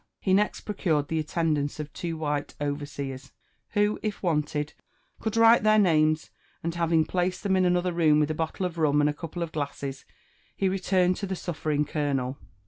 He next procured the altendanci^ of two w hite overseers, who, if wanted, could write their names; and having placed them in another room with a bottle of rum and a couple of glasses, he returned to the suffering colonel.